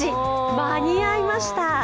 間に合いました！